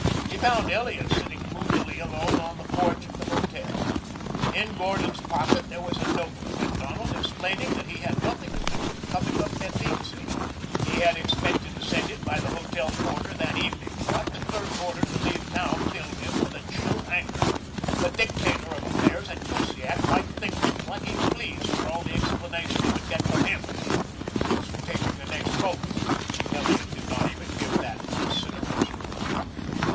He found Elliot sitting moodily alone on the porch of the hotel. In Gordon's pocket there was a note to Macdonald explaining that he had nothing to do with the coming of Meteetse. He had expected to send it by the hotel porter that evening, but the curt order to leave town filled him with a chill anger. The dictator of affairs at Kusiak might think what he pleased for all the explanation he would get from him. As for taking the next boat, Elliot did not even give that consideration.